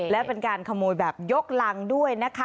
และเป็นการขโมยแบบยกรังด้วยนะคะ